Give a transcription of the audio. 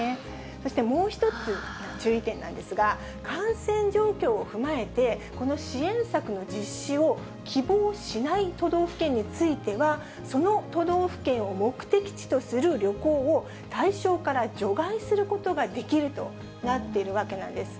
そしてもう一つ、注意点なんですが、感染状況を踏まえて、この支援策の実施を希望しない都道府県については、その都道府県を目的地とする旅行を対象から除外することができるとなっているわけなんです。